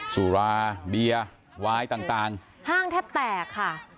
สุราเบียร์วายต่างห้างแทบแตกค่ะ